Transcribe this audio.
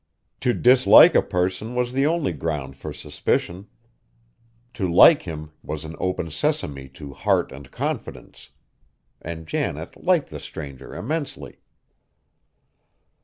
To dislike a person was the only ground for suspicion. To like him was an open sesame to heart and confidence. And Janet liked the stranger immensely.